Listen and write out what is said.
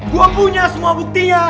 gua punya semua buktinya